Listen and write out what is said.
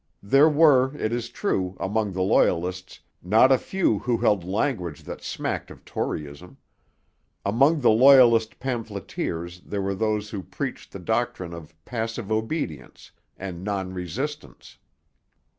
There were, it is true, among the Loyalists not a few who held language that smacked of Toryism. Among the Loyalist pamphleteers there were those who preached the doctrine of passive obedience and non resistance.